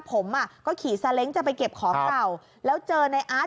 ผมอ่ะก็ขี่จะไปเก็บของเราแล้วเจอในอาร์ต